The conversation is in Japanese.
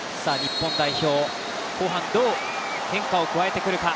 日本代表、後半どう変化を加えてくるか。